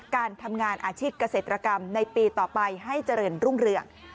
การทำงานอาชีพเกษตรกรรมในปีต่อไปให้เจริญรุ่งเรือง